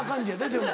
でも。